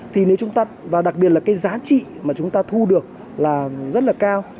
thì nếu chúng ta và đặc biệt là cái giá trị mà chúng ta thu được là rất là cao